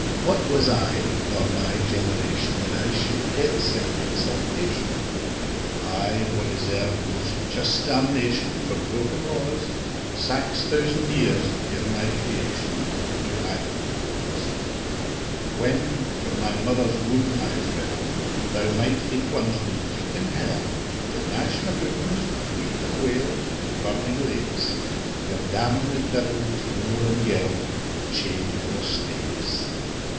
What was I, or my generation, That I should get sic exaltation, I wha deserve most just damnation For broken laws, Five thousand years ere my creation, Thro' Adam's cause? When frae my mither's womb I fell, Thou might hae plunged me in hell, To gnash my gums, to weep and wail, In burnin lakes, Where damned devils roar and yell, Chain'd to their stakes.